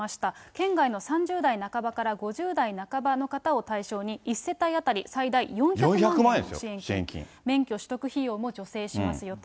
県外の３０代半ばから５０代半ばの方を対象に、１世帯当たり最大４００万円の支援金、免許取得費用も助成しますよと。